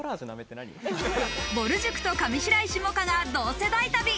ぼる塾と上白石萌歌が同世代旅！